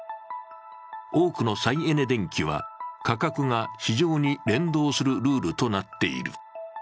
多くの再エネ電気は価格が市場に連動するルールとなっている。